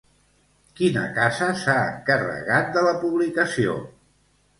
Quina casa s'ha encarregat de la publicació?